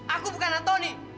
aku bukan antoni